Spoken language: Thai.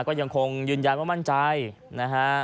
ก็ยังคงยืนยันว่ามั่นใจนะฮะ